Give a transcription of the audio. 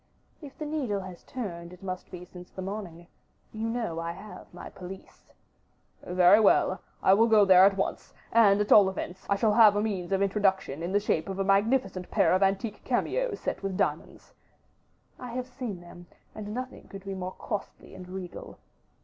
"If the needle has turned, it must be since the morning. You know I have my police." "Very well! I will go there at once, and, at all events, I shall have a means of introduction in the shape of a magnificent pair of antique cameos set with diamonds." "I have seen them, and nothing could be more costly and regal."